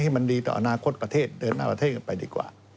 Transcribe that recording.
อาณาคตประเทศเดินมาประเทศไปดีกว่า